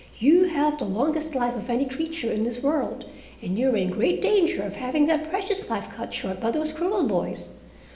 You have the longest life of any creature in this world, and you were in great danger of having that precious life cut short by those cruel boys.